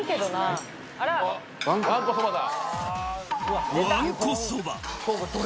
わんこそばだ。